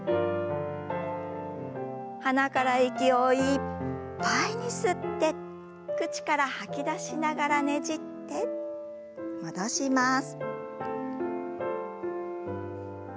鼻から息をいっぱいに吸って口から吐き出しながらねじって戻します。